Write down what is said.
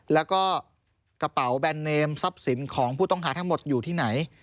แล้วก็กระเป๋าแบรนดเนมทรัพย์สินของผู้ต้องหาทั้งหมดอยู่ที่ไหน